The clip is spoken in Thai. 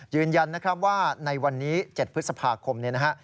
ยืนยันนะครับว่าในวันนี้๗พฤษภาคมเนี่ยนะฮะ